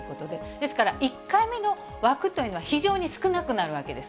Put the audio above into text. ですから、１回目の枠というのは、非常に少なくなるわけです。